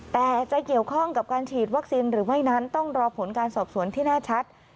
แต่จะเกี่ยวข้องกับการฉีดวัคซีนหรือไม่นั้นต้องรอผลการสอบสวนที่แน่ชัด